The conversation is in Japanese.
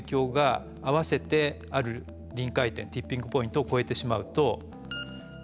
ティッピングポイントを超えてしまうとこうなると。